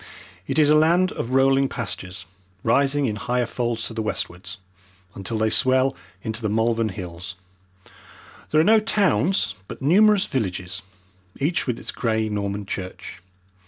It is a land of rolling pastures, rising in higher folds to the westwards, until they swell into the Malvern Hills. There are no towns, but numerous villages, each with its grey Norman church.